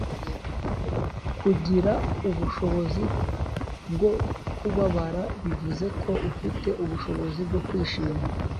kugira ubushobozi bwo kubabara bivuze ko ufite ubushobozi bwo kwishima.